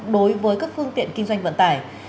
đối với các phương tiện kinh doanh vận tải